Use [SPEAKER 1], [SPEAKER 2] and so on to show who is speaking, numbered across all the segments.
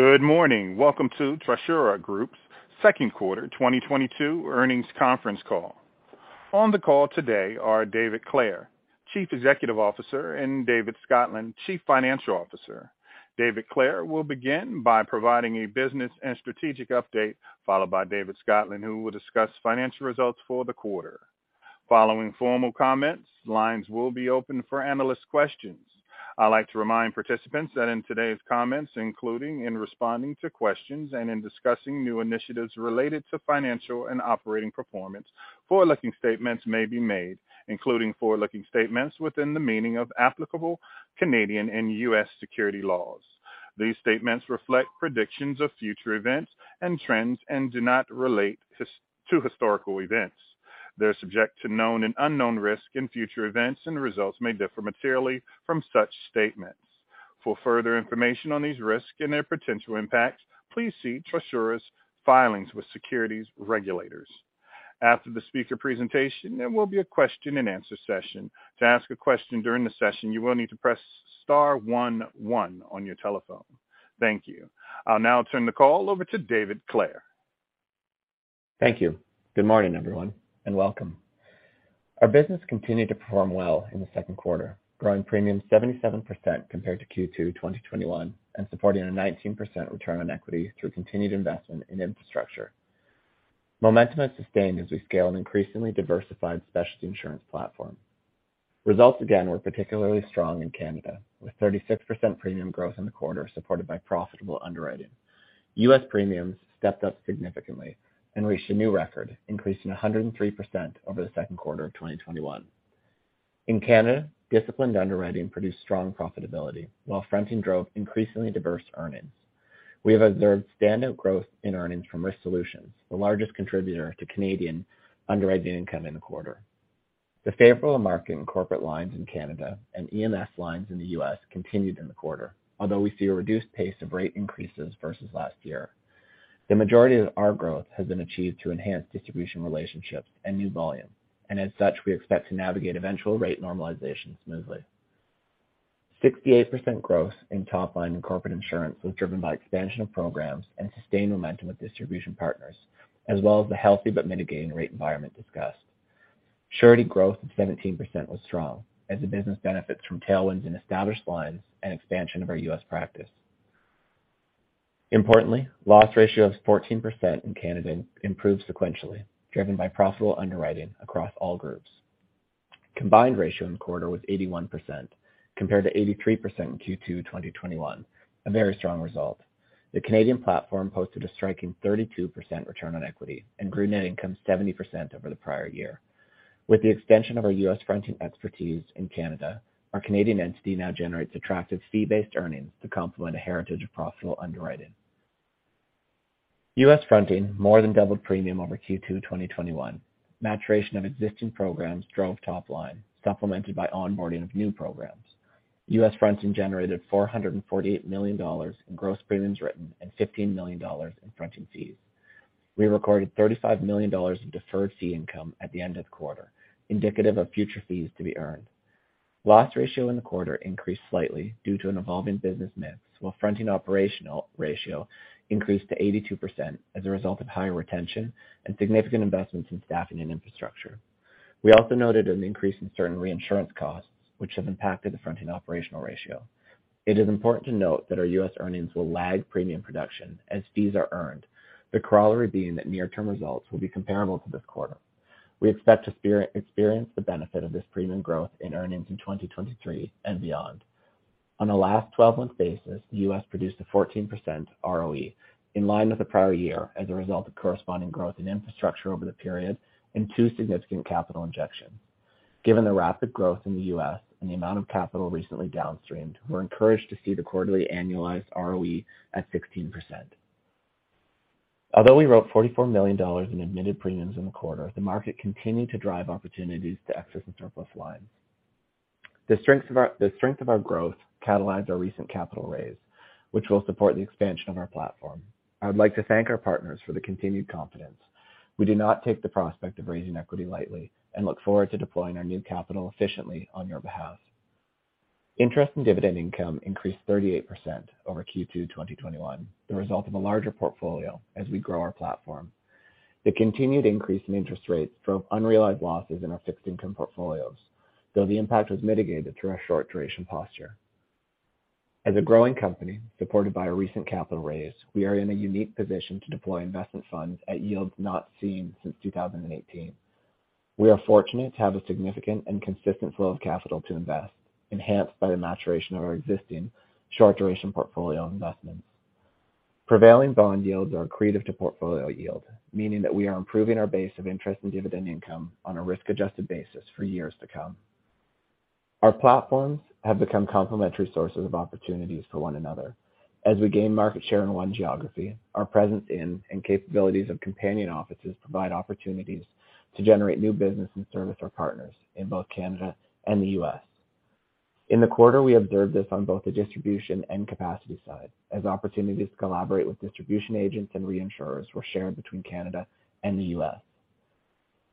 [SPEAKER 1] Good morning. Welcome to Trisura Group's second quarter 2022 earnings conference call. On the call today are David Clare, Chief Executive Officer, and David Scotland, Chief Financial Officer. David Clare will begin by providing a business and strategic update, followed by David Scotland, who will discuss financial results for the quarter. Following formal comments, lines will be open for analyst questions. I'd like to remind participants that in today's comments, including in responding to questions and in discussing new initiatives related to financial and operating performance, forward-looking statements may be made, including forward-looking statements within the meaning of applicable Canadian and U.S. securities laws. These statements reflect predictions of future events and trends and do not relate to historical events. They're subject to known and unknown risks in future events, and results may differ materially from such statements. For further information on these risks and their potential impacts, please see Trisura's filings with securities regulators. After the speaker presentation, there will be a question-and-answer session. To ask a question during the session, you will need to press star one one on your telephone. Thank you. I'll now turn the call over to David Clare.
[SPEAKER 2] Thank you. Good morning, everyone, and welcome. Our business continued to perform well in the second quarter, growing premiums 77% compared to Q2 2021 and supporting a 19% return on equity through continued investment in infrastructure. Momentum has sustained as we scale an increasingly diversified specialty insurance platform. Results again were particularly strong in Canada, with 36% premium growth in the quarter supported by profitable underwriting. U.S. Premiums stepped up significantly and reached a new record, increasing 103% over the second quarter of 2021. In Canada, disciplined underwriting produced strong profitability, while fronting drove increasingly diverse earnings. We have observed standout growth in earnings from Risk Solutions, the largest contributor to Canadian underwriting income in the quarter. The favorable market in corporate lines in Canada and E&S lines in the U.S. continued in the quarter. Although we see a reduced pace of rate increases versus last year, the majority of our growth has been achieved through enhanced distribution relationships and new volume. As such, we expect to navigate eventual rate normalization smoothly. 68% growth in top line and Corporate Insurance was driven by expansion of programs and sustained momentum with distribution partners, as well as the healthy but mitigating rate environment discussed. Surety growth of 17% was strong as the business benefits from tailwinds in established lines and expansion of our U.S. practice. Importantly, loss ratio of 14% in Canada improved sequentially, driven by profitable underwriting across all groups. Combined ratio in the quarter was 81% compared to 83% in Q2 2021, a very strong result. The Canadian platform posted a striking 32% return on equity and grew net income 70% over the prior year. With the extension of our US fronting expertise in Canada, our Canadian entity now generates attractive fee-based earnings to complement a heritage of profitable underwriting. US fronting more than doubled premium over Q2 2021. Maturation of existing programs drove top line, supplemented by onboarding of new programs. US fronting generated $448 million in gross premiums written and $15 million in fronting fees. We recorded $35 million of deferred fee income at the end of the quarter, indicative of future fees to be earned. Loss ratio in the quarter increased slightly due to an evolving business mix, while fronting operational ratio increased to 82% as a result of higher retention and significant investments in staffing and infrastructure. We also noted an increase in certain reinsurance costs, which have impacted the fronting operational ratio. It is important to note that our U.S. earnings will lag premium production as fees are earned. The corollary being that near-term results will be comparable to this quarter. We expect to experience the benefit of this premium growth in earnings in 2023 and beyond. On a last twelve-month basis, the U.S. produced a 14% ROE, in line with the prior year as a result of corresponding growth in infrastructure over the period and two significant capital injections. Given the rapid growth in the U.S. and the amount of capital recently downstreamed, we're encouraged to see the quarterly annualized ROE at 16%. Although we wrote $44 million in admitted premiums in the quarter, the market continued to drive opportunities to excess and surplus lines. The strength of our growth catalyzed our recent capital raise, which will support the expansion of our platform. I would like to thank our partners for the continued confidence. We do not take the prospect of raising equity lightly and look forward to deploying our new capital efficiently on your behalf. Interest and dividend income increased 38% over Q2 2021, the result of a larger portfolio as we grow our platform. The continued increase in interest rates drove unrealized losses in our fixed income portfolios, though the impact was mitigated through our short duration posture. As a growing company supported by a recent capital raise, we are in a unique position to deploy investment funds at yields not seen since 2018. We are fortunate to have a significant and consistent flow of capital to invest, enhanced by the maturation of our existing short duration portfolio investments. Prevailing bond yields are accretive to portfolio yield, meaning that we are improving our base of interest in dividend income on a risk-adjusted basis for years to come. Our platforms have become complementary sources of opportunities for one another. As we gain market share in one geography, our presence in and capabilities of companion offices provide opportunities to generate new business and service our partners in both Canada and the U.S. In the quarter, we observed this on both the distribution and capacity side as opportunities to collaborate with distribution agents and reinsurers were shared between Canada and the U.S.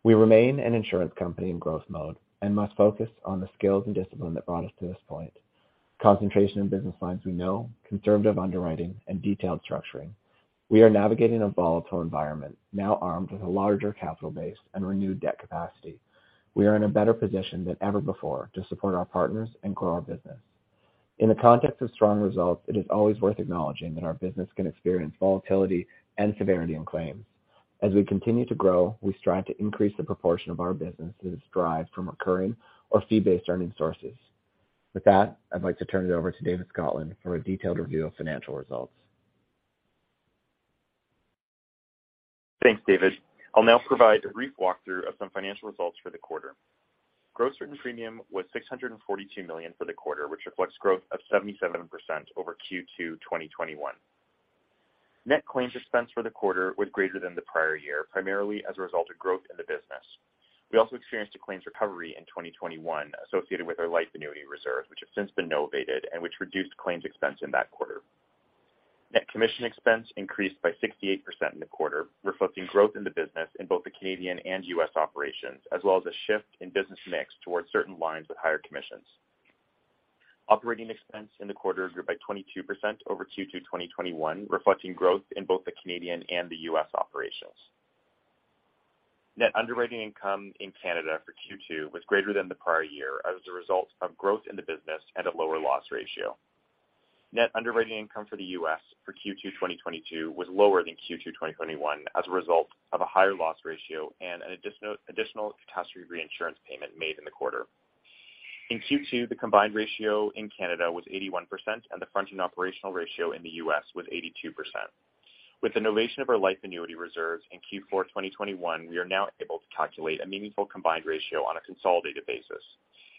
[SPEAKER 2] We remain an insurance company in growth mode and must focus on the skills and discipline that brought us to this point, concentration in business lines we know, conservative underwriting, and detailed structuring. We are navigating a volatile environment now armed with a larger capital base and renewed debt capacity. We are in a better position than ever before to support our partners and grow our business. In the context of strong results, it is always worth acknowledging that our business can experience volatility and severity in claims. As we continue to grow, we strive to increase the proportion of our businesses derived from recurring or fee-based earning sources. With that, I'd like to turn it over to David Scotland for a detailed review of financial results.
[SPEAKER 3] Thanks, David. I'll now provide a brief walkthrough of some financial results for the quarter. Gross written premium was 642 million for the quarter, which reflects growth of 77% over Q2 2021. Net claims expense for the quarter was greater than the prior year, primarily as a result of growth in the business. We also experienced a claims recovery in 2021 associated with our life annuity reserve, which has since been novated and which reduced claims expense in that quarter. Net commission expense increased by 68% in the quarter, reflecting growth in the business in both the Canadian and U.S. operations, as well as a shift in business mix towards certain lines with higher commissions. Operating expense in the quarter grew by 22% over Q2 2021, reflecting growth in both the Canadian and the U.S. operations. Net underwriting income in Canada for Q2 was greater than the prior year as a result of growth in the business at a lower loss ratio. Net underwriting income for the U.S. for Q2 2022 was lower than Q2 2021 as a result of a higher loss ratio and an additional catastrophe reinsurance payment made in the quarter. In Q2, the combined ratio in Canada was 81%, and the fronting operational ratio in the U.S. was 82%. With the novation of our life annuity reserves in Q4 2021, we are now able to calculate a meaningful combined ratio on a consolidated basis.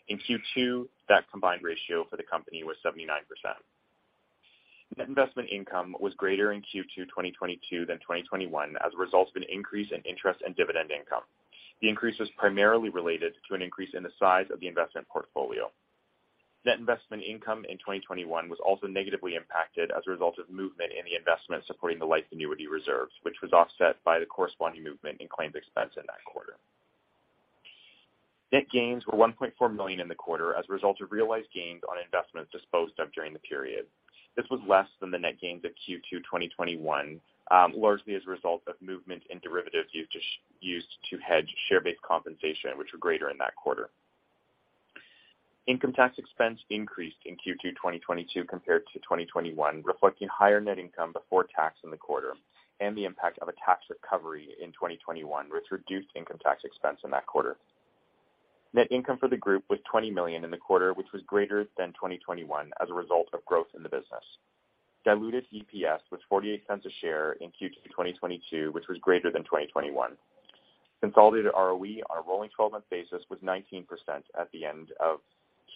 [SPEAKER 3] In Q2, that combined ratio for the company was 79%. Net investment income was greater in Q2 2022 than 2021 as a result of an increase in interest and dividend income. The increase was primarily related to an increase in the size of the investment portfolio. Net investment income in 2021 was also negatively impacted as a result of movement in the investment supporting the life annuity reserves, which was offset by the corresponding movement in claim expense in that quarter. Net gains were 1.4 million in the quarter as a result of realized gains on investments disposed of during the period. This was less than the net gains of Q2 2021, largely as a result of movement in derivatives used to hedge share-based compensation, which were greater in that quarter. Income tax expense increased in Q2 2022 compared to 2021, reflecting higher net income before tax in the quarter and the impact of a tax recovery in 2021, which reduced income tax expense in that quarter. Net income for the group was 20 million in the quarter, which was greater than 2021 as a result of growth in the business. Diluted EPS was 0.48 a share in Q2 2022, which was greater than 2021. Consolidated ROE on a rolling twelve-month basis was 19% at the end of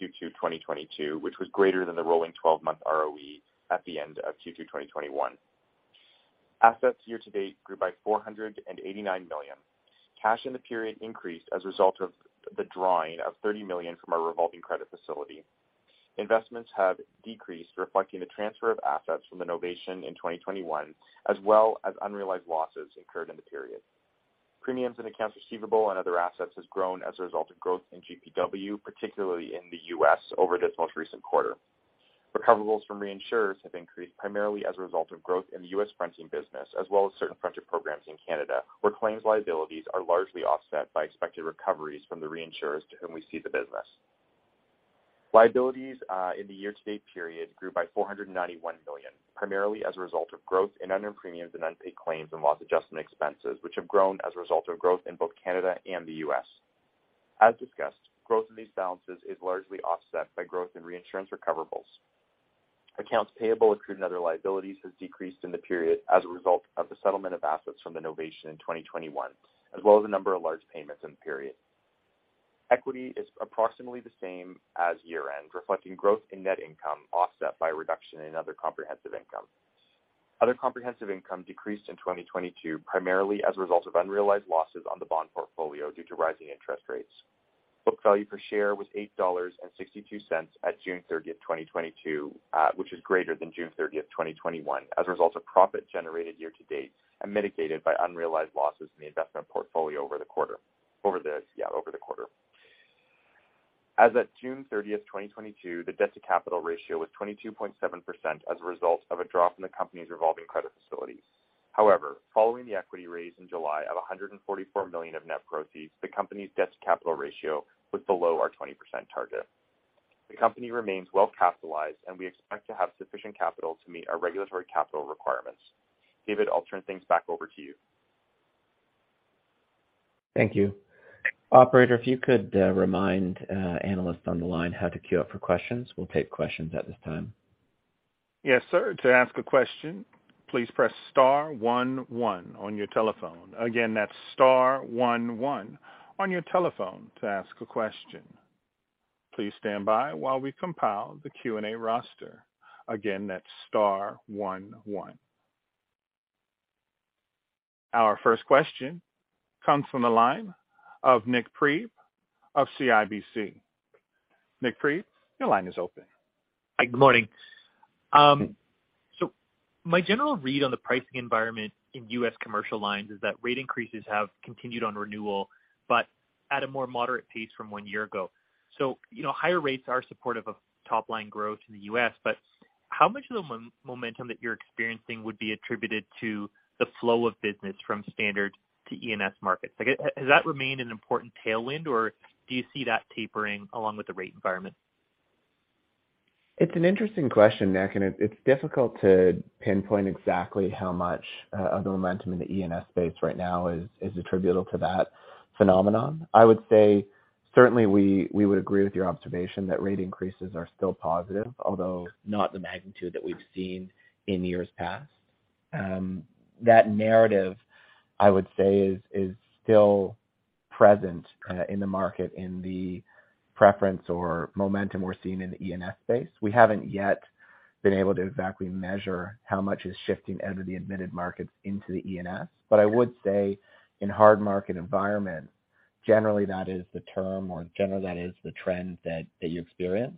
[SPEAKER 3] Q2 2022, which was greater than the rolling twelve-month ROE at the end of Q2 2021. Assets year to date grew by 489 million. Cash in the period increased as a result of the drawing of 30 million from our revolving credit facility. Investments have decreased, reflecting the transfer of assets from the novation in 2021, as well as unrealized losses incurred in the period. Premiums and accounts receivable and other assets has grown as a result of growth in GPW, particularly in the U.S. over this most recent quarter. Recoverables from reinsurers have increased primarily as a result of growth in the U.S. fronting business, as well as certain fronting programs in Canada, where claims liabilities are largely offset by expected recoveries from the reinsurers to whom we cede the business. Liabilities in the year to date period grew by 491 million, primarily as a result of growth in earned premiums and unpaid claims and loss adjustment expenses, which have grown as a result of growth in both Canada and the U.S. As discussed, growth in these balances is largely offset by growth in reinsurance recoverables. Accounts payable, accrued and other liabilities has decreased in the period as a result of the settlement of assets from the novation in 2021, as well as a number of large payments in the period. Equity is approximately the same as year-end, reflecting growth in net income offset by a reduction in other comprehensive income. Other comprehensive income decreased in 2022, primarily as a result of unrealized losses on the bond portfolio due to rising interest rates. Book value per share was 8.62 dollars at June 30th, 2022, which is greater than June 30th, 2021, as a result of profit generated year to date and mitigated by unrealized losses in the investment portfolio over the quarter. As of June 30th, 2022, the debt to capital ratio was 22.7% as a result of a drop in the company's revolving credit facility. However, following the equity raise in July of 144 million of net proceeds, the company's debt to capital ratio was below our 20% target. The company remains well capitalized and we expect to have sufficient capital to meet our regulatory capital requirements. David, I'll turn things back over to you.
[SPEAKER 2] Thank you. Operator, if you could remind analysts on the line how to queue up for questions. We'll take questions at this time.
[SPEAKER 1] Yes, sir. To ask a question, please press star one one on your telephone. Again, that's star one one on your telephone to ask a question. Please stand by while we compile the Q&A roster. Again, that's star one one. Our first question comes from the line of Nik Priebe of CIBC. Nik Priebe, your line is open.
[SPEAKER 4] Hi, good morning. My general read on the pricing environment in U.S. commercial lines is that rate increases have continued on renewal, but at a more moderate pace from one year ago. You know, higher rates are supportive of top-line growth in the U.S., but how much of the momentum that you're experiencing would be attributed to the flow of business from standard to E&S markets? Like, has that remained an important tailwind, or do you see that tapering along with the rate environment?
[SPEAKER 2] It's an interesting question, Nik, and it's difficult to pinpoint exactly how much of the momentum in the E&S space right now is attributable to that phenomenon. I would say certainly we would agree with your observation that rate increases are still positive, although not the magnitude that we've seen in years past. That narrative, I would say is still present in the market in the preference or momentum we're seeing in the E&S space. We haven't yet been able to exactly measure how much is shifting out of the admitted markets into the E&S. I would say in hard market environment, generally that is the trend that you experience.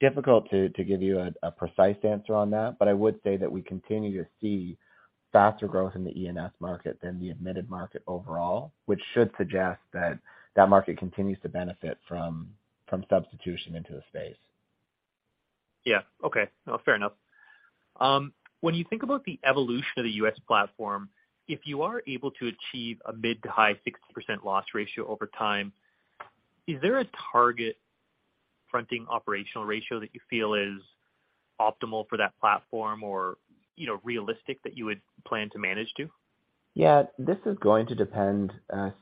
[SPEAKER 2] Difficult to give you a precise answer on that, but I would say that we continue to see faster growth in the E&S market than the admitted market overall, which should suggest that market continues to benefit from substitution into the space.
[SPEAKER 4] Yeah. Okay. No, fair enough. When you think about the evolution of the U.S. platform, if you are able to achieve a mid- to high-60% loss ratio over time, is there a target fronting operational ratio that you feel is optimal for that platform or, you know, realistic that you would plan to manage to?
[SPEAKER 2] Yeah. This is going to depend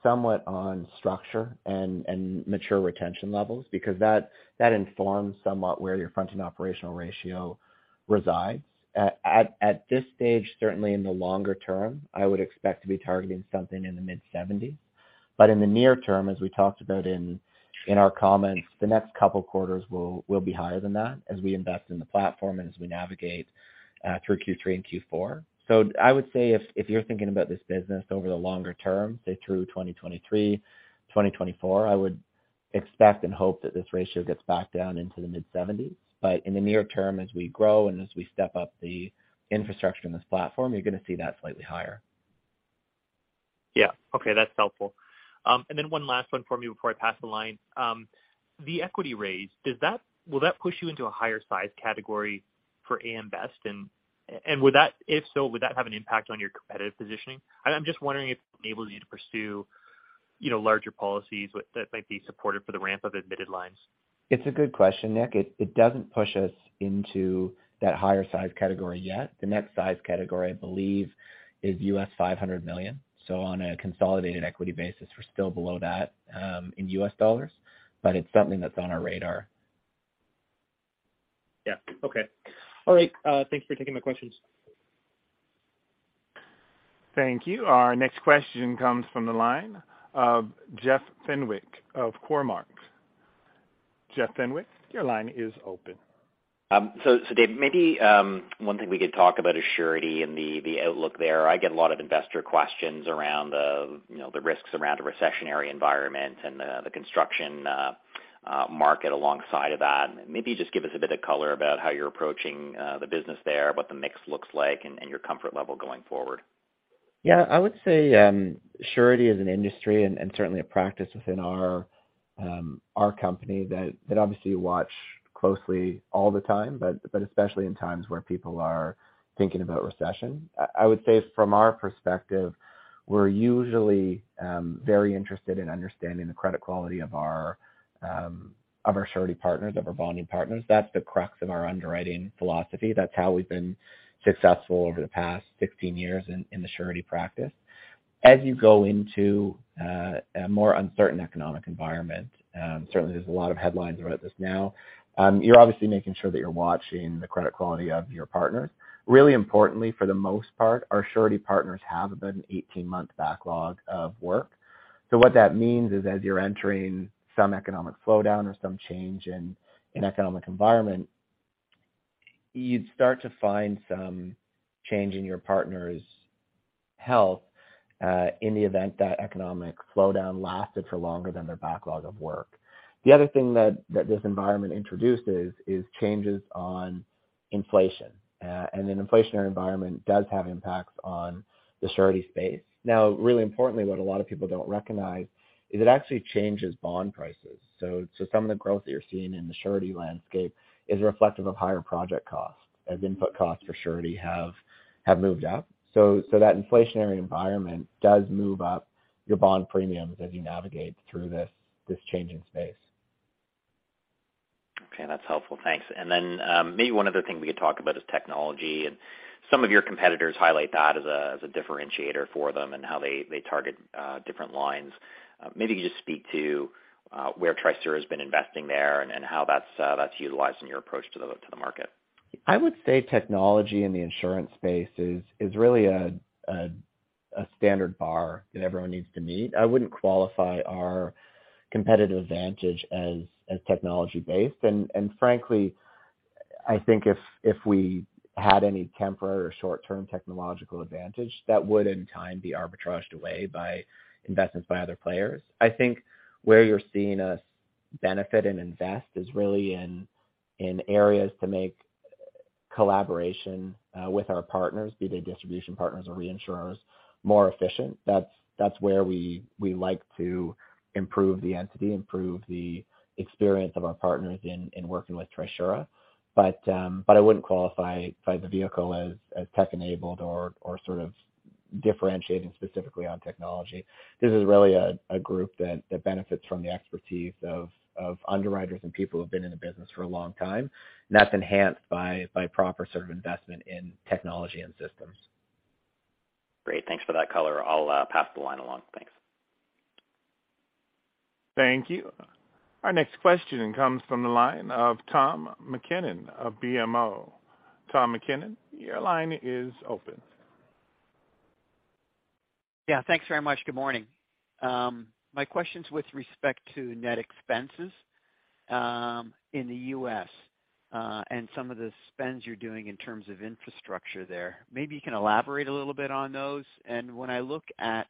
[SPEAKER 2] somewhat on structure and mature retention levels because that informs somewhat where your fronting operational ratio resides. At this stage, certainly in the longer term, I would expect to be targeting something in the mid 70s. In the near term, as we talked about in our comments, the next couple quarters will be higher than that as we invest in the platform and as we navigate through Q3 and Q4. I would say if you're thinking about this business over the longer term, say through 2023, 2024, I would expect and hope that this ratio gets back down into the mid 70s. In the near term, as we grow and as we step up the infrastructure in this platform, you're gonna see that slightly higher.
[SPEAKER 4] Yeah. Okay, that's helpful. One last one for me before I pass the line. The equity raise, will that push you into a higher size category for AM Best? Would that, if so, would that have an impact on your competitive positioning? I'm just wondering if it enables you to pursue, you know, larger policies with that might be supported for the ramp of admitted lines.
[SPEAKER 2] It's a good question, Nik. It doesn't push us into that higher size category yet. The next size category, I believe, is $500 million. On a consolidated equity basis, we're still below that, in U.S. dollars, but it's something that's on our radar.
[SPEAKER 4] Yeah. Okay. All right. Thanks for taking my questions.
[SPEAKER 1] Thank you. Our next question comes from the line of Jeff Fenwick of Cormark. Jeff Fenwick, your line is open.
[SPEAKER 5] Dave, maybe one thing we could talk about is surety and the outlook there. I get a lot of investor questions around you know, the risks around a recessionary environment and the construction market alongside of that. Maybe just give us a bit of color about how you're approaching the business there, what the mix looks like and your comfort level going forward.
[SPEAKER 2] Yeah. I would say, surety is an industry and certainly a practice within our company that obviously you watch closely all the time, but especially in times where people are thinking about recession. I would say from our perspective, we're usually very interested in understanding the credit quality of our surety partners, of our bonding partners. That's the crux of our underwriting philosophy. That's how we've been successful over the past 16 years in the surety practice. As you go into a more uncertain economic environment, certainly there's a lot of headlines about this now, you're obviously making sure that you're watching the credit quality of your partners. Really importantly, for the most part, our surety partners have about an 18-month backlog of work. What that means is as you're entering some economic slowdown or some change in economic environment, you'd start to find some change in your partner's health, in the event that economic slowdown lasted for longer than their backlog of work. The other thing that this environment introduces is changes on inflation. An inflationary environment does have impacts on the surety space. Now, really importantly, what a lot of people don't recognize is it actually changes bond prices. Some of the growth that you're seeing in the surety landscape is reflective of higher project costs, as input costs for surety have moved up. That inflationary environment does move up your bond premiums as you navigate through this changing space.
[SPEAKER 5] Okay, that's helpful. Thanks. Maybe one other thing we could talk about is technology. Some of your competitors highlight that as a differentiator for them and how they target different lines. Maybe you could just speak to where Trisura has been investing there and how that's utilized in your approach to the market.
[SPEAKER 2] I would say technology in the insurance space is really a standard bar that everyone needs to meet. I wouldn't qualify our competitive advantage as technology-based. Frankly, I think if we had any temporary or short-term technological advantage, that would in time be arbitraged away by investments by other players. I think where you're seeing us benefit and invest is really in areas to make collaboration with our partners, be they distribution partners or reinsurers, more efficient. That's where we like to improve the entity, improve the experience of our partners in working with Trisura. I wouldn't qualify the vehicle as tech-enabled or sort of differentiating specifically on technology. This is really a group that benefits from the expertise of underwriters and people who've been in the business for a long time. That's enhanced by proper sort of investment in technology and systems.
[SPEAKER 5] Great. Thanks for that color. I'll pass the line along. Thanks.
[SPEAKER 1] Thank you. Our next question comes from the line of Tom MacKinnon of BMO. Tom MacKinnon, your line is open.
[SPEAKER 6] Yeah, thanks very much. Good morning. My question's with respect to net expenses in the U.S., and some of the spends you're doing in terms of infrastructure there. Maybe you can elaborate a little bit on those. When I look at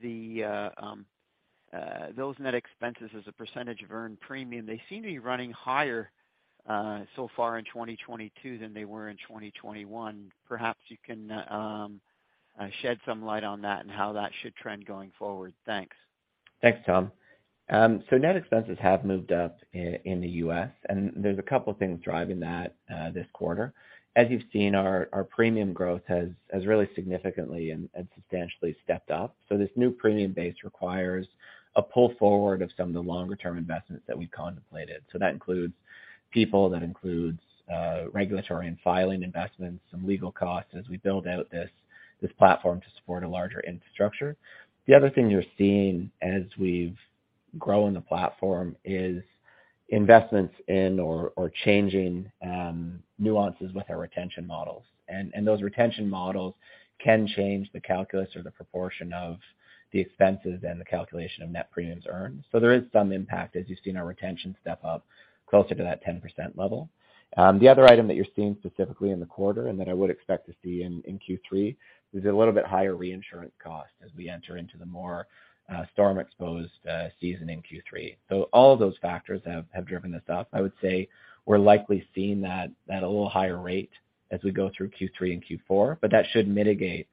[SPEAKER 6] those net expenses as a % of earned premium, they seem to be running higher so far in 2022 than they were in 2021. Perhaps you can shed some light on that and how that should trend going forward. Thanks.
[SPEAKER 2] Thanks, Tom. Net expenses have moved up in the U.S., and there's a couple things driving that, this quarter. As you've seen, our premium growth has really significantly and substantially stepped up. This new premium base requires a pull forward of some of the longer term investments that we contemplated. That includes people, regulatory and filing investments, some legal costs as we build out this platform to support a larger infrastructure. The other thing you're seeing as we've grown the platform is investments in or changing nuances with our retention models. Those retention models can change the calculus or the proportion of the expenses and the calculation of net premiums earned. There is some impact as you've seen our retention step up closer to that 10% level. The other item that you're seeing specifically in the quarter and that I would expect to see in Q3 is a little bit higher reinsurance cost as we enter into the more storm exposed season in Q3. All of those factors have driven this up. I would say we're likely seeing that at a little higher rate as we go through Q3 and Q4, but that should mitigate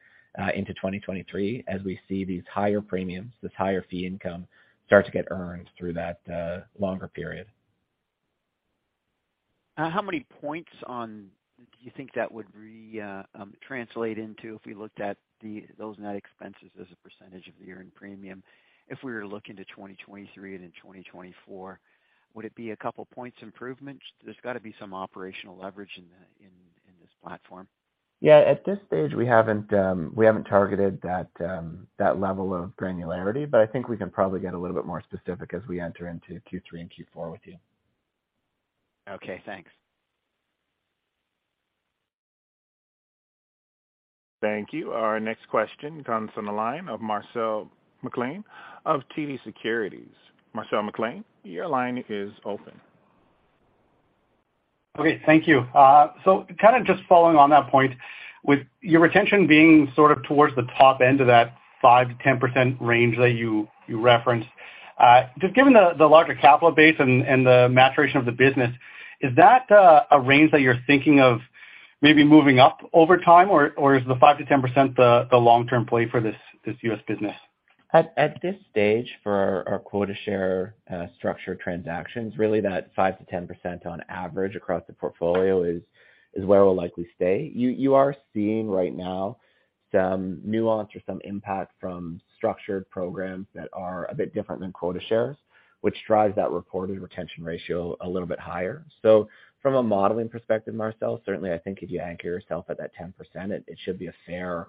[SPEAKER 2] into 2023 as we see these higher premiums, this higher fee income start to get earned through that longer period.
[SPEAKER 6] How many points on do you think that would translate into if we looked at those net expenses as a percentage of the earned premium if we were to look into 2023 and in 2024? Would it be a couple points improvement? There's got to be some operational leverage in this platform.
[SPEAKER 2] Yeah. At this stage, we haven't targeted that level of granularity, but I think we can probably get a little bit more specific as we enter into Q3 and Q4 with you.
[SPEAKER 6] Okay, thanks.
[SPEAKER 1] Thank you. Our next question comes from the line of Marcel McLean of TD Securities. Marcel McLean, your line is open.
[SPEAKER 7] Okay, thank you. Kind of just following on that point, with your retention being sort of towards the top end of that 5%-10% range that you referenced, just given the larger capital base and the maturation of the business, is that a range that you're thinking of maybe moving up over time, or is the 5%-10% the long term play for this U.S. business?
[SPEAKER 2] At this stage for our quota share structure transactions, really that 5%-10% on average across the portfolio is where we'll likely stay. You are seeing right now some nuance or some impact from structured programs that are a bit different than quota shares, which drives that reported retention ratio a little bit higher. From a modeling perspective, Marcel, certainly I think if you anchor yourself at that 10%, it should be a fair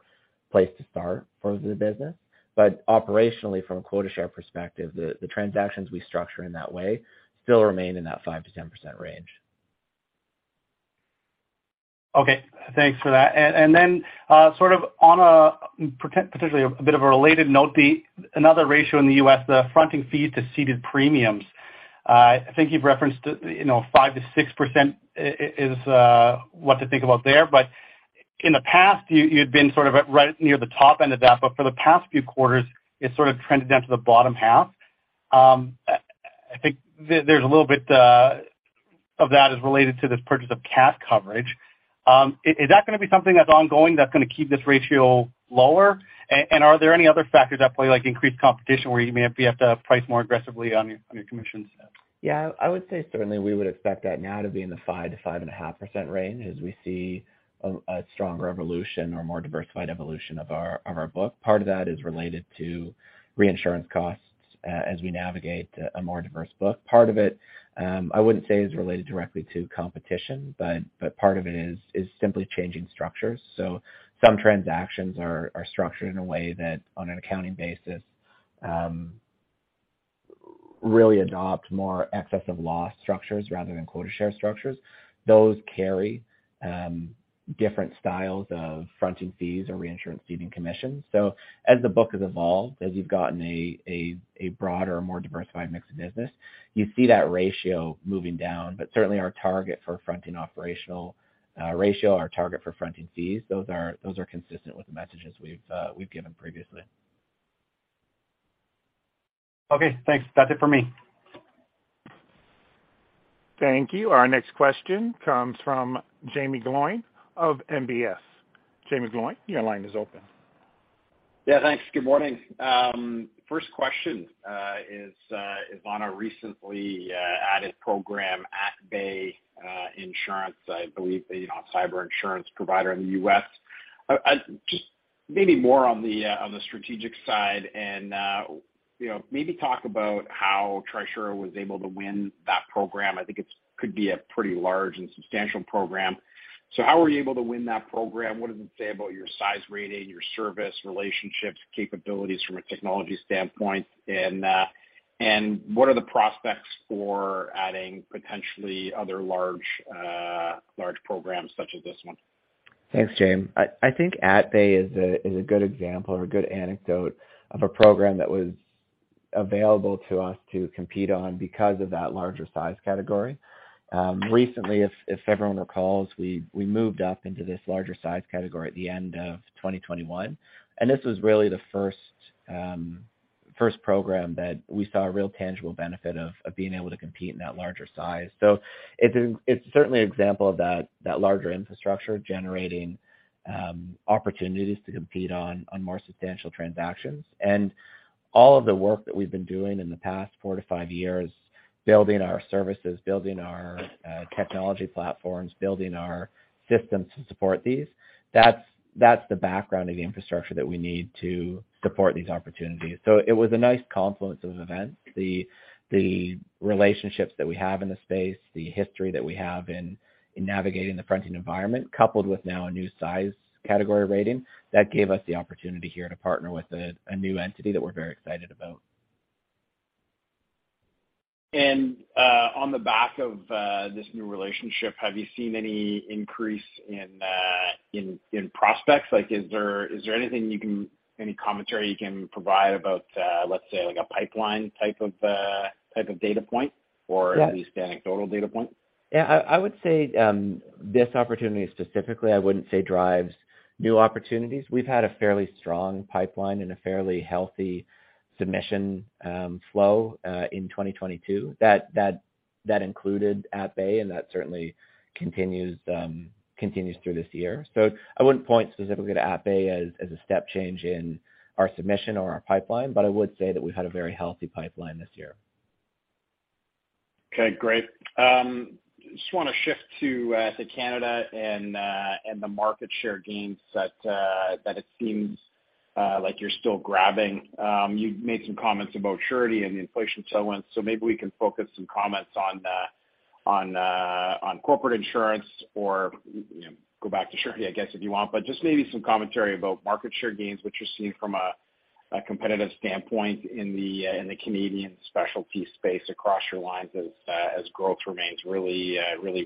[SPEAKER 2] place to start for the business. Operationally, from a quota share perspective, the transactions we structure in that way still remain in that 5%-10% range.
[SPEAKER 7] Okay. Thanks for that. Then, sort of on a potentially a bit of a related note, then another ratio in the U.S., the fronting fee to ceded premiums. I think you've referenced, you know, 5%-6% is what to think about there. In the past, you'd been sort of right near the top end of that, but for the past few quarters, it's sort of trended down to the bottom half. I think there's a little bit of that is related to this purchase of cat coverage. Is that gonna be something that's ongoing that's gonna keep this ratio lower? And are there any other factors at play, like increased competition where you may have to price more aggressively on your commissions?
[SPEAKER 2] Yeah. I would say certainly we would expect that now to be in the 5%-5.5% range as we see a stronger evolution or more diversified evolution of our book. Part of that is related to reinsurance costs as we navigate a more diverse book. Part of it, I wouldn't say is related directly to competition, but part of it is simply changing structures. Some transactions are structured in a way that on an accounting basis, really adopt more excess of loss structures rather than quota share structures. Those carry different styles of fronting fees or reinsurance ceding commissions. As the book has evolved, as you've gotten a broader, more diversified mix of business, you see that ratio moving down. Certainly our target for fronting operational ratio, our target for fronting fees, those are consistent with the messages we've given previously.
[SPEAKER 7] Okay, thanks. That's it for me.
[SPEAKER 1] Thank you. Our next question comes from Jaeme Gloyn of National Bank Financial. Jaeme Gloyn, your line is open.
[SPEAKER 8] Good morning. First question is Trisura recently added program At-Bay Insurance, I believe, you know, a cyber insurance provider in the U.S. Just maybe more on the strategic side and, you know, maybe talk about how Trisura was able to win that program. I think it could be a pretty large and substantial program. How were you able to win that program? What does it say about your size rating, your service, relationships, capabilities from a technology standpoint? And what are the prospects for adding potentially other large programs such as this one?
[SPEAKER 2] Thanks, Jaeme. I think At-Bay is a good example or a good anecdote of a program that was available to us to compete on because of that larger size category. Recently, if everyone recalls, we moved up into this larger size category at the end of 2021, and this was really the first program that we saw a real tangible benefit of being able to compete in that larger size. It is, it's certainly an example of that larger infrastructure generating opportunities to compete on more substantial transactions. All of the work that we've been doing in the past 4-5 years, building our services, building our technology platforms, building our systems to support these, that's the background of the infrastructure that we need to support these opportunities. It was a nice confluence of events. The relationships that we have in the space, the history that we have in navigating the fronting environment, coupled with now a new size category rating, that gave us the opportunity here to partner with a new entity that we're very excited about.
[SPEAKER 8] On the back of this new relationship, have you seen any increase in prospects? Like, is there any commentary you can provide about, let's say, like a pipeline type of data point?
[SPEAKER 2] Yeah
[SPEAKER 8] At least anecdotal data point?
[SPEAKER 2] Yeah, I would say this opportunity specifically, I wouldn't say drives new opportunities. We've had a fairly strong pipeline and a fairly healthy submission flow in 2022 that included At-Bay, and that certainly continues through this year. I wouldn't point specifically to At-Bay as a step change in our submission or our pipeline, but I would say that we've had a very healthy pipeline this year.
[SPEAKER 8] Okay, great. Just wanna shift to Canada and the market share gains that it seems like you're still grabbing. You've made some comments about Surety and the inflation tailwind, so maybe we can focus some comments on Corporate Insurance or, you know, go back to surety, I guess, if you want. Just maybe some commentary about market share gains, what you're seeing from a competitive standpoint in the Canadian specialty space across your lines as growth remains really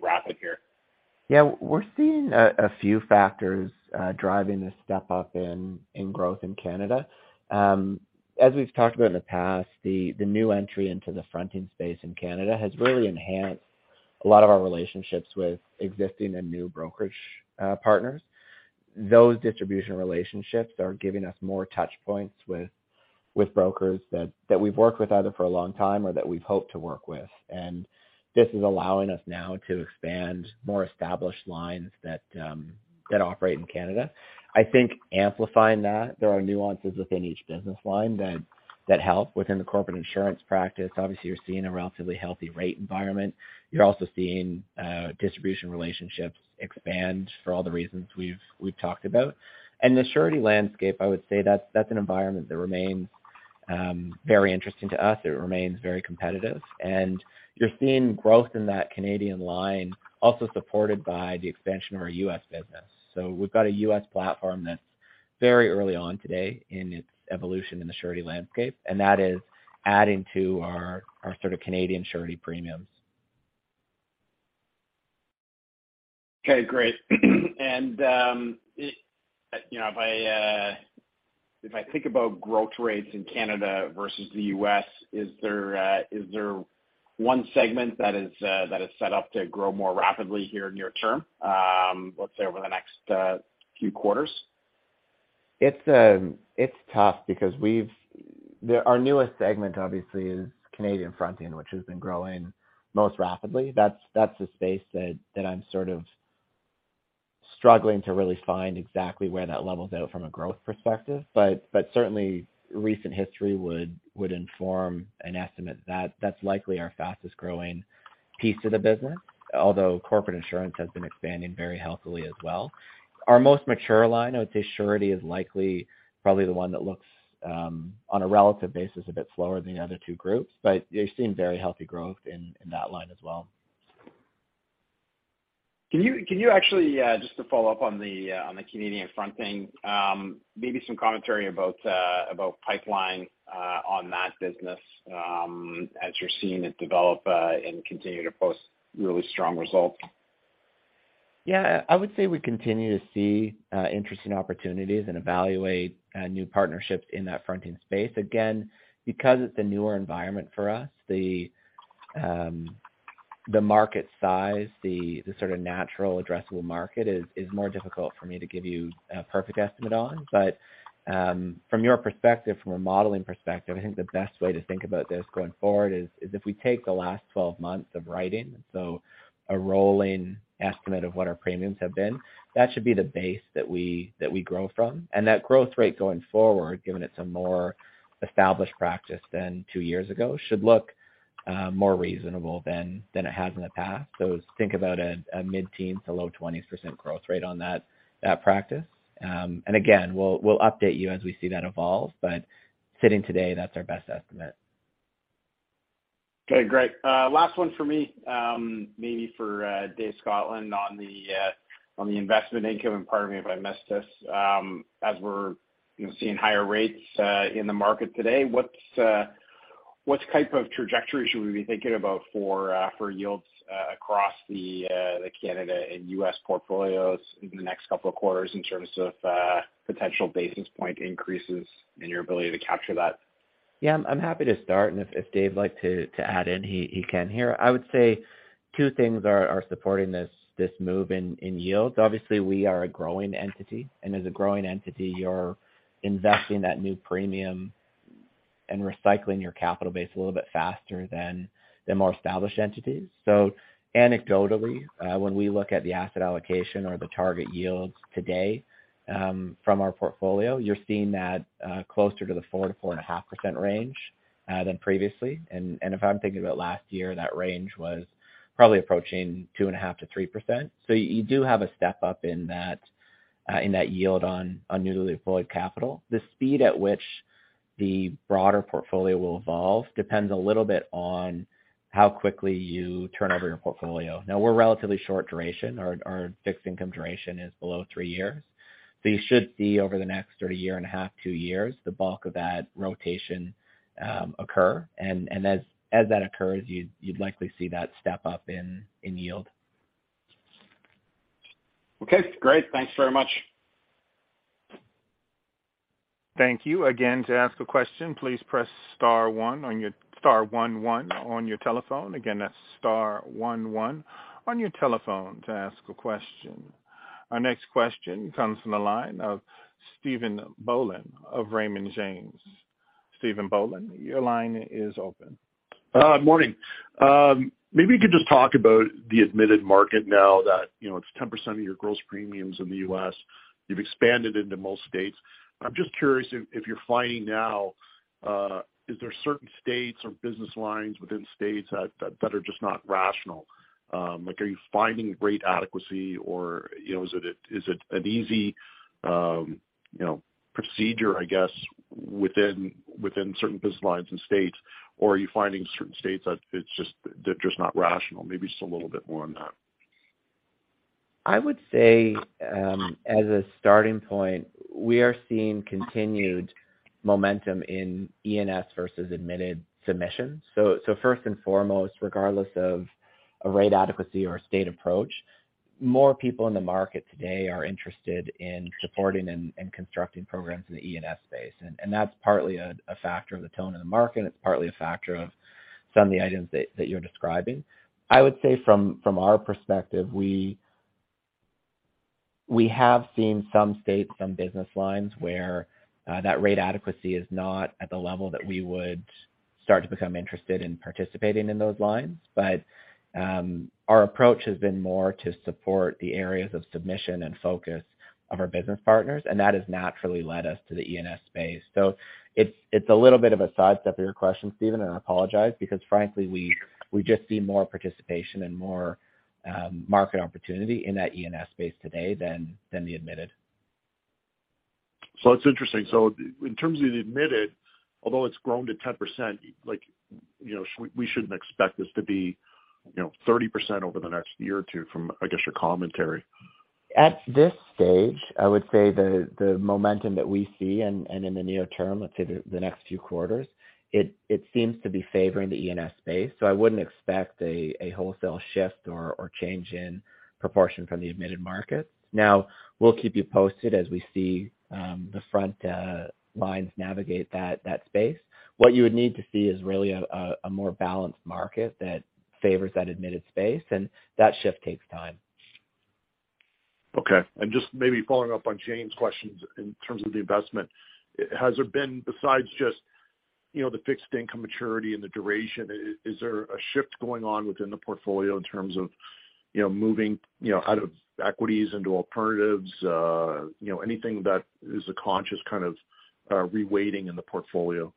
[SPEAKER 8] rapid here.
[SPEAKER 2] Yeah. We're seeing a few factors driving this step up in growth in Canada. As we've talked about in the past, the new entry into the fronting space in Canada has really enhanced a lot of our relationships with existing and new brokerage partners. Those distribution relationships are giving us more touch points with brokers that we've worked with either for a long time or that we've hoped to work with. This is allowing us now to expand more established lines that operate in Canada. I think amplifying that, there are nuances within each business line that help within the Corporate Insurance practice. Obviously, you're seeing a relatively healthy rate environment. You're also seeing distribution relationships expand for all the reasons we've talked about. The surety landscape, I would say that's an environment that remains very interesting to us. It remains very competitive, and you're seeing growth in that Canadian line also supported by the expansion of our U.S. business. We've got a U.S. platform that's very early on today in its evolution in the surety landscape, and that is adding to our sort of Canadian surety premiums.
[SPEAKER 8] Okay, great. You know, if I think about growth rates in Canada versus the U.S., is there one segment that is set up to grow more rapidly here near term, let's say over the next few quarters?
[SPEAKER 2] It's tough because our newest segment obviously is Canadian fronting, which has been growing most rapidly. That's a space that I'm sort of struggling to really find exactly where that levels out from a growth perspective. Certainly recent history would inform an estimate that that's likely our fastest growing piece of the business, although Corporate Insurance has been expanding very healthily as well. Our most mature line, I would say surety is likely probably the one that looks on a relative basis a bit slower than the other two groups, but you're seeing very healthy growth in that line as well.
[SPEAKER 8] Can you actually just to follow up on the Canadian fronting, maybe some commentary about pipeline on that business, as you're seeing it develop and continue to post really strong results?
[SPEAKER 2] Yeah. I would say we continue to see interesting opportunities and evaluate new partnerships in that fronting space. Again, because it's a newer environment for us, the market size, the sort of natural addressable market is more difficult for me to give you a perfect estimate on. From your perspective, from a modeling perspective, I think the best way to think about this going forward is if we take the last twelve months of writing, so a rolling estimate of what our premiums have been. That should be the base that we grow from. That growth rate going forward, given it's a more established practice than two years ago, should look more reasonable than it has in the past. Think about a mid-teen to low twenties % growth rate on that practice. Again, we'll update you as we see that evolve, but sitting today, that's our best estimate.
[SPEAKER 8] Okay, great. Last one for me. Maybe for David Scotland on the investment income, and pardon me if I missed this. As we're, you know, seeing higher rates in the market today, what type of trajectory should we be thinking about for yields across the Canadian and US portfolios in the next couple of quarters in terms of potential basis point increases and your ability to capture that?
[SPEAKER 2] Yeah, I'm happy to start, and if Dave would like to add in, he can here. I would say two things are supporting this move in yields. Obviously, we are a growing entity, and as a growing entity, you're investing that new premium and recycling your capital base a little bit faster than the more established entities. Anecdotally, when we look at the asset allocation or the target yields today, from our portfolio, you're seeing that closer to the 4%-4.5% range than previously. If I'm thinking about last year, that range was probably approaching 2.5%-3%. You do have a step up in that yield on newly deployed capital. The speed at which the broader portfolio will evolve depends a little bit on how quickly you turn over your portfolio. Now, we're relatively short duration. Our fixed income duration is below three years. You should see over the next sort of year and a half, two years, the bulk of that rotation occur. As that occurs, you'd likely see that step up in yield.
[SPEAKER 8] Okay, great. Thanks very much.
[SPEAKER 1] Thank you. Again, to ask a question, please press star one one on your telephone. Again, that's star one one on your telephone to ask a question. Our next question comes from the line of Stephen Boland of Raymond James. Stephen Boland, your line is open.
[SPEAKER 9] Morning. Maybe you could just talk about the admitted market now that, you know, it's 10% of your gross premiums in the U.S. You've expanded into most states. I'm just curious if you're finding now, is there certain states or business lines within states that are just not rational? Like, are you finding rate adequacy or, you know, is it an easy, you know, procedure, I guess, within certain business lines and states? Or are you finding certain states that it's just they're just not rational? Maybe just a little bit more on that.
[SPEAKER 2] I would say, as a starting point, we are seeing continued momentum in E&S versus admitted submissions. First and foremost, regardless of a rate adequacy or a state approach, more people in the market today are interested in supporting and constructing programs in the E&S space. That's partly a factor of the tone of the market. It's partly a factor of some of the items that you're describing. I would say from our perspective, we have seen some states, some business lines where that rate adequacy is not at the level that we would start to become interested in participating in those lines. Our approach has been more to support the areas of submission and focus of our business partners, and that has naturally led us to the E&S space. It's a little bit of a sidestep of your question, Stephen, and I apologize, because frankly, we just see more participation and more market opportunity in that E&S space today than the admitted.
[SPEAKER 9] That's interesting. In terms of the admitted, although it's grown to 10%, like, you know, we shouldn't expect this to be, you know, 30% over the next year or two from, I guess, your commentary.
[SPEAKER 2] At this stage, I would say the momentum that we see and in the near term, let's say the next few quarters, it seems to be favoring the E&S space. I wouldn't expect a wholesale shift or change in proportion from the admitted market. Now, we'll keep you posted as we see the fronting lines navigate that space. What you would need to see is really a more balanced market that favors that admitted space, and that shift takes time.
[SPEAKER 9] Okay. Just maybe following up on Jaeme Gloyn's questions in terms of the investment, has there been, besides just, you know, the fixed income maturity and the duration, is there a shift going on within the portfolio in terms of, you know, moving, you know, out of equities into alternatives? You know, anything that is a conscious kind of reweighting in the portfolio?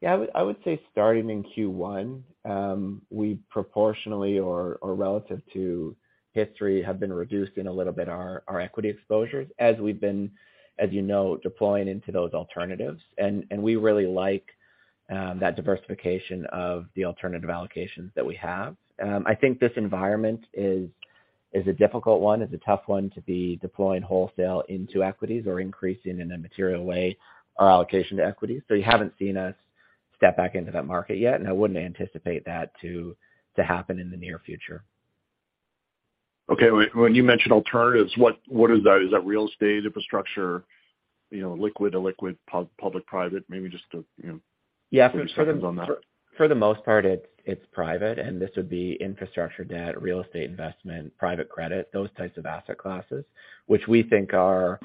[SPEAKER 2] Yeah. I would say starting in Q1, we proportionally or relative to history have reduced a little bit our equity exposures as we've been, as you know, deploying into those alternatives. We really like that diversification of the alternative allocations that we have. I think this environment is a difficult one. It's a tough one to be deploying wholesale into equities or increasing in a material way our allocation to equities. You haven't seen us step back into that market yet, and I wouldn't anticipate that to happen in the near future.
[SPEAKER 9] Okay. When you mention alternatives, what is that? Is that real estate infrastructure, you know, liquid to illiquid, public-private? Maybe just to, you know.
[SPEAKER 2] Yeah.
[SPEAKER 9] A few seconds on that.
[SPEAKER 2] For the most part, it's private, and this would be infrastructure debt, real estate investment, private credit, those types of asset classes, which we think are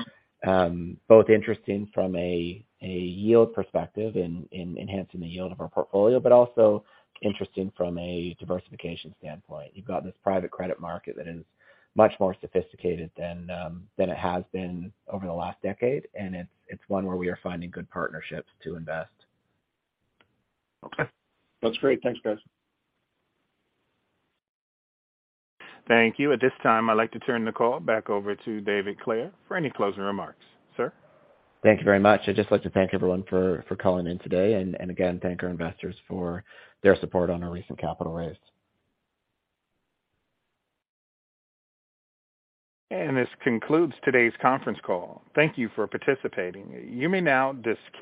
[SPEAKER 2] both interesting from a yield perspective in enhancing the yield of our portfolio, but also interesting from a diversification standpoint. You've got this private credit market that is much more sophisticated than it has been over the last decade, and it's one where we are finding good partnerships to invest.
[SPEAKER 9] Okay. That's great. Thanks, guys.
[SPEAKER 1] Thank you. At this time, I'd like to turn the call back over to David Clare for any closing remarks. Sir.
[SPEAKER 2] Thank you very much. I'd just like to thank everyone for calling in today, and again, thank our investors for their support on our recent capital raise.
[SPEAKER 1] This concludes today's conference call. Thank you for participating. You may now dis-